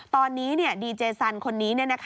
ตอนนี้ดีเจสันคนนี้